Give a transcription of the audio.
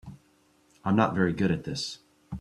I'm not very good at this.